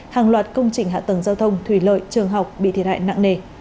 hàng loạt công trình hạ tầng giao thông thủy lợi trường học bị thiệt hại nặng nề